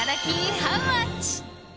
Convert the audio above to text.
ハウマッチ。